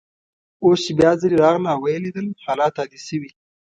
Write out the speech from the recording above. اوس چي بیا ځلې راغله او ویې لیدل، حالات عادي شوي.